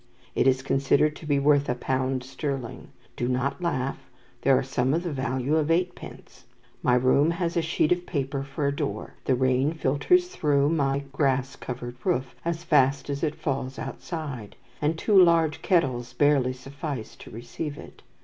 It is considered to be worth a pound sterling. Do not laugh; there are some of the value of eightpence. My room has a sheet of paper for a door, the rain filters through my grass covered roof as fast as it falls outside, and two large kettles barely suffice to receive it.